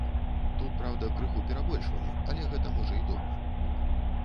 Тут, праўда, крыху перабольшвалі, але гэта можа і добра.